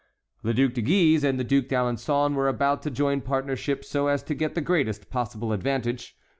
The Duc de Guise and the Duc d'Alençon were about to join partnership so as to get the greatest possible advantage.